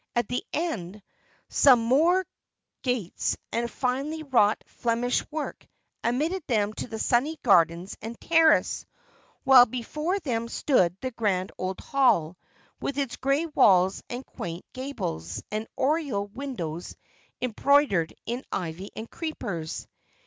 At the end, some more gates, of finely wrought Flemish work, admitted them to the sunny gardens and terrace; while before them stood the grand old Hall, with its grey walls and quaint gables and oriel windows embowered in ivy and creepers.